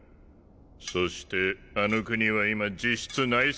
そしてあの国は今実質内戦状態にある。